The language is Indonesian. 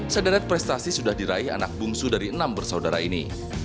sederet prestasi sudah diraih anak bungsu dari enam bersaudara ini